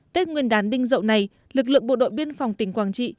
tết nguyên đán đinh dậu này lực lượng bộ đội biên phòng tỉnh quảng trị